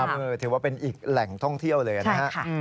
ถือว่าเป็นอีกแหล่งท่องเที่ยวเลยนะครับ